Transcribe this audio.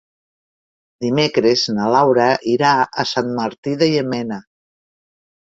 Dimecres na Laura irà a Sant Martí de Llémena.